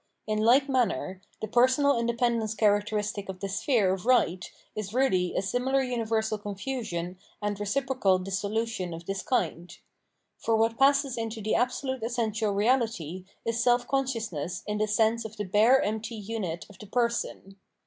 In like manner, the personal iadependence characteristic of the sphere of right is really a similar universal confusion and reciprocal dissolution of this kind. For what passes for the absolute essential reahty is self consciousness in the sense of the bare empty unit of the person.